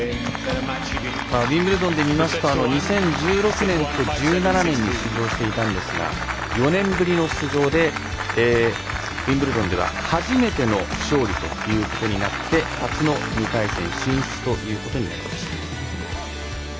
ウィンブルドンで見ますと２０１６年と２０１７年に出場していたんですが４年ぶりの出場でウィンブルドンでは初めての勝利ということになって初の２回戦進出となりました。